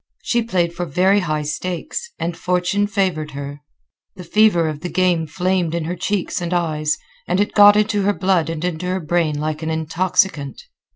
She played for very high stakes, and fortune favored her. The fever of the game flamed in her cheeks and eyes, and it got into her blood and into her brain like an intoxicant.